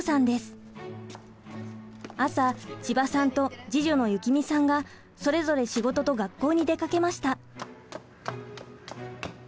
朝千葉さんと次女の幸実さんがそれぞれ仕事と学校に出かけました。